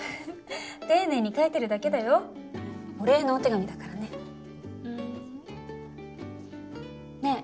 丁寧に書いてるだけだよお礼のお手紙だからねふんねぇ